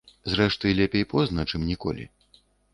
Зрэшты, лепей позна, чым ніколі.